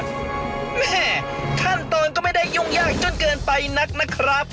แม่ขั้นตอนก็ไม่ได้ยุ่งยากจนเกินไปนักนะครับ